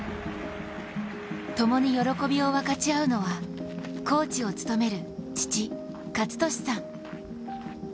共に喜びを分かち合うのはコーチを務める父・健智さん。